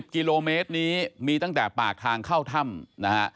กิโลเมตรนี้มีตั้งแต่ปากทางเข้าถ้ำนะฮะ